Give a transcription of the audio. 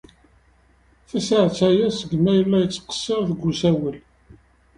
Tasaɛet aya seg mi ay la yettqeṣṣir deg usawal.